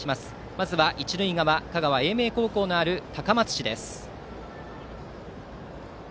まずは一塁側香川・英明高校のある高松市です。